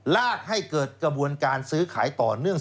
ลากให้เกิดกระบวนการซื้อขายต่อเนื่อง